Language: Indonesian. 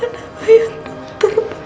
gimana bayar untuk terbang